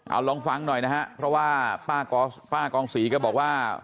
เอาลองฟังหน่อยนะฮะเพราะว่าป้ากองศรีก็บอกว่า